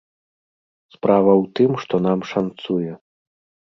Справа ў тым, што нам шанцуе.